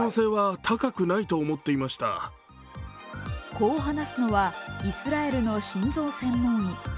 こう話すのはイスラエルの心臓専門医。